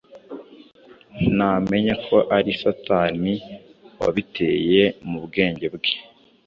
Ntamenya ko ari Satani wabiteye mu bwenge bwe